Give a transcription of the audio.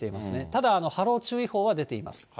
ただ、波浪注意報は出ています。